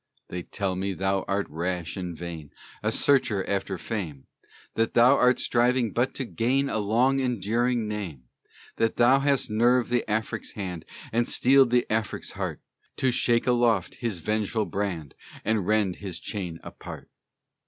They tell me thou art rash and vain, A searcher after fame; That thou art striving but to gain A long enduring name; That thou hast nerved the Afric's hand And steeled the Afric's heart, To shake aloft his vengeful brand, And rend his chain apart.